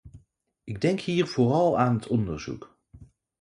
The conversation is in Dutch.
Ik denk hier vooral aan het onderzoek.